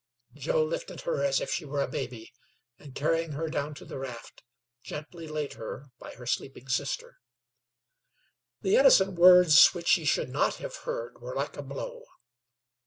..." Joe lifted her as if she were a baby, and carrying her down to the raft, gently laid her by her sleeping sister. The innocent words which he should not have heard were like a blow.